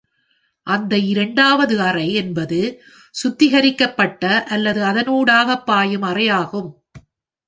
அந்த இரண்டாவது அறை என்பது சுத்திகரிக்கப்பட்ட அல்லது அதனூடாக-பாயும் அறையாகும்.